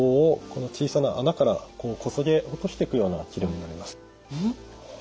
この小さな孔からこそげ落としていくような治療になります。